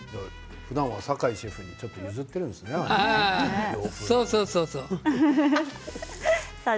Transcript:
ふだんは坂井シェフに譲っているんですね。